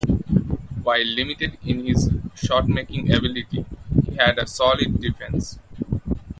While limited in his shotmaking ability, he had a solid defence.